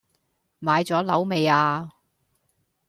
買左樓未呀